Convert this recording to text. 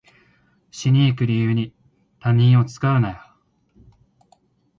死にに行く理由に他人を使うなよ